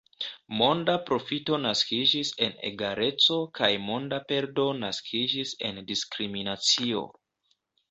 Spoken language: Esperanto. Monda profito naskiĝis en egaleco kaj monda perdo naskiĝis en diskriminacio.